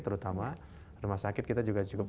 terutama rumah sakit kita juga cukup